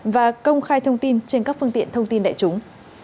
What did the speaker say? và công khai thông tin trên các phương tiện thông tin đại chúng